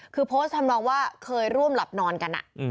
คือโพสต์ทำนองว่าเคยร่วมหลับนอนกัน